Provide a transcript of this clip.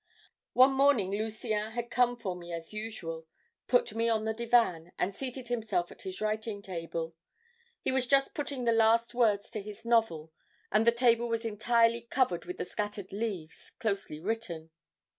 "One morning Lucien had come for me as usual, put me on the divan, and seated himself at his writing table. He was just putting the last words to his novel, and the table was entirely covered with the scattered leaves, closely written.